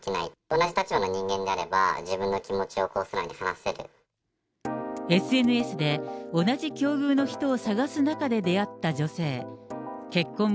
同じ立場の人間であれば、ＳＮＳで、同じ境遇の人を探す中で出会った女性。